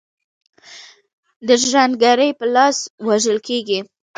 د ژرند ګړي په لاس وژل کیږي.